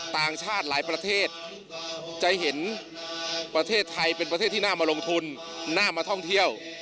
ต่างชาติหลายประเทศจะเห็นประเทศไทยเป็นประเทศที่น่ามาลงทุนน่ามาท่องเที่ยว